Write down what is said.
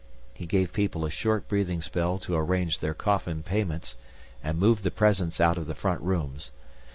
He gave people a short breathing spell to arrange their coffin payments and move the presents out of the front rooms.